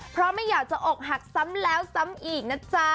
เพราะไม่อยากจะอกหักซ้ำแล้วซ้ำอีกนะจ๊ะ